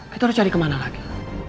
kita harus cari kemana lagi